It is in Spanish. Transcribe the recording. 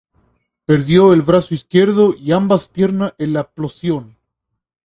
Perdió el brazo izquierdo y ambas piernas en la explosión.